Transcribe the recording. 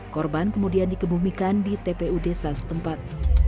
korban kemudian dikebumikan di tpu desa setempat